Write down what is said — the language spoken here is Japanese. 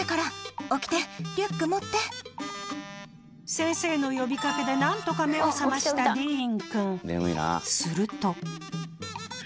先生の呼びかけでなんとか目を覚ましたディーン君。